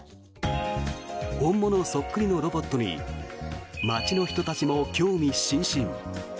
本物そっくりのロボットに街の人たちも興味津々。